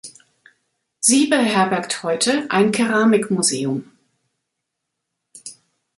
Sie beherbergt heute ein Keramikmuseum.